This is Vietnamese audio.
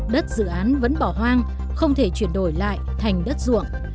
đất dự án vẫn bỏ hoang không thể chuyển đổi lại thành đất ruộng